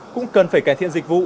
cũng cần phải cải thiện dịch vụ